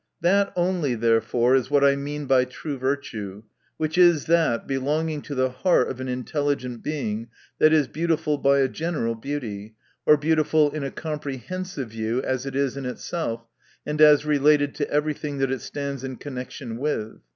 — That only, therefore, is what I mean by true virtue, which is that, belonging to the heart of an intelligent Being, that is beautiful by a general beauty, or beautiful in a comprehensive view as it is in itself, and as related to every thing that it stands in connection with.